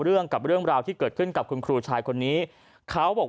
เรื่องกับเรื่องราวที่เกิดขึ้นกับคุณครูชายคนนี้เขาบอก